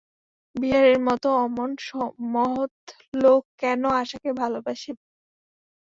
বিহারীর মতো অমন মহৎ লোক কেন আশাকে ভালোবাসিবে।